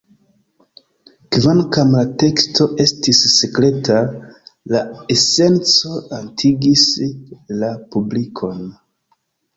Kvankam la teksto estis sekreta, la esenco atingis la publikon.